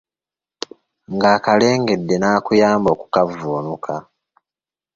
Ng’akalengedde n’akuyamba okukavvuunuka.